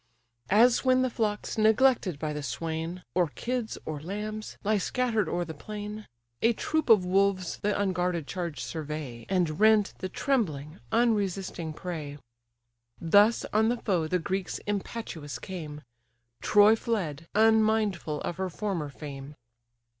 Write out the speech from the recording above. As when the flocks neglected by the swain, Or kids, or lambs, lie scatter'd o'er the plain, A troop of wolves the unguarded charge survey, And rend the trembling, unresisting prey: Thus on the foe the Greeks impetuous came; Troy fled, unmindful of her former fame.